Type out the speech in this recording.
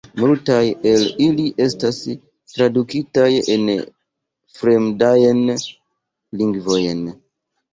Multaj el ili estas tradukitaj en fremdajn lingvojn.